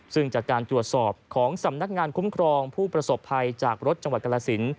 ซึ่งจากการตรวจสอบของสำนักงานคุ้มครองผู้ประสบภัยจากรถจังหวัดกรสิน